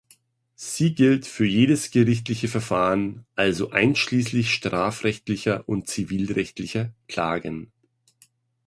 Sie gilt für jedes gerichtliche Verfahren, also einschließlich strafrechtlicher und zivilrechtlicher Klagen.